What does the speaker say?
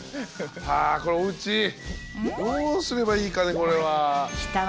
はあこれおうちどうすればいいかねこれは。きたわね